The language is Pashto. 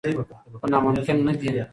خو ناممکن نه دي.